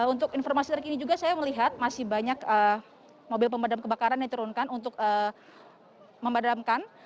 untuk informasi terkini juga saya melihat masih banyak mobil pemadam kebakaran yang diturunkan untuk memadamkan